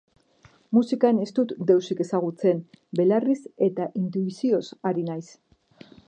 Musikan ez dut deusik ezagutzen, belarriz eta intuizioz ari naiz.